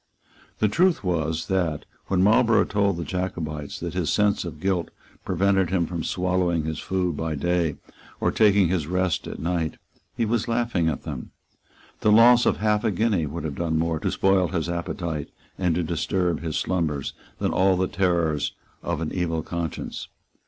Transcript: The truth was that, when Marlborough told the Jacobites that his sense of guilt prevented him from swallowing his food by day and taking his rest at night, he was laughing at them. The loss of half a guinea would have done more to spoil his appetite and to disturb his slumbers than all the terrors of an evil conscience.